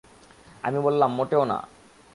আমি বললাম, মোটেও না।